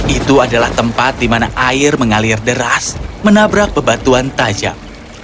itu adalah tempat di mana air mengalir deras menabrak bebatuan tajam